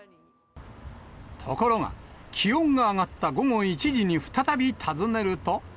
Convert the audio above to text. ところが、気温が上がった午後１時に再び訪ねると。